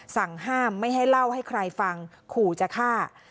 สั่งห้ามไม่ให้เล่าให้ใครฟังขู่จะฆ่า